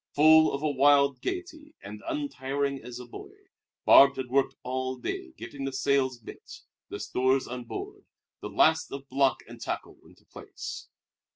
Full of a wild gayety, and untiring as a boy, Barbe had worked all day, getting the sails bent, the stores on board, the last of block and tackle into place.